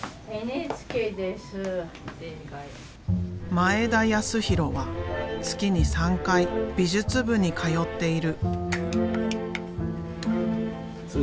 前田泰宏は月に３回美術部に通っている。